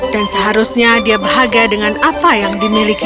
dan seharusnya dia bahagia dengan apa yang dimilikinya